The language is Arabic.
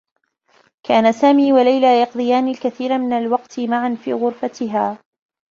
كانا سامي و ليلى يقضيان الكثير من الوقت معا في غرفتها.